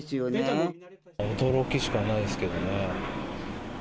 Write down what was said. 驚きしかないですけどね。